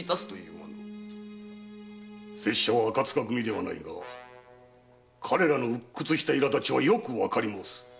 拙者は赤柄組ではないが彼らの鬱屈した苛立ちはわかり申す。